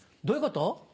どういうこと？